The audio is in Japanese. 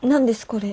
これ。